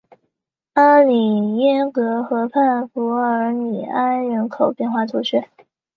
阿里耶格河畔弗尔里埃人口变化图示